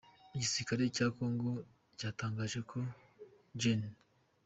Igisirikare cya Congo cyatangaje ko Gen.